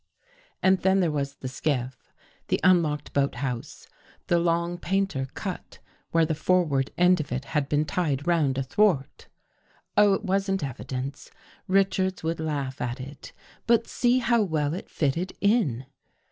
And then there was the skiff, the un locked boathouse, the long painter cut where the forward end of it had been tied round a thwart. Oh, it wasn't evidence. Richards would laugh at it. But see how well it fitted in.